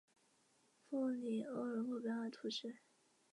睡眠模式的优越性在于从睡眠中恢复要比从休眠中恢复快得多。